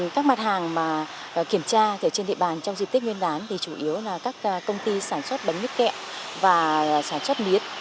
các mặt hàng kiểm tra trên địa bàn trong dịp tết nguyên đán thì chủ yếu là các công ty sản xuất bánh mứt kẹo và sản xuất mía